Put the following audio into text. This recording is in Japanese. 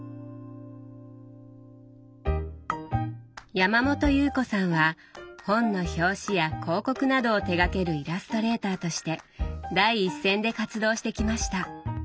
山本祐布子さんは本の表紙や広告などを手がけるイラストレーターとして第一線で活動してきました。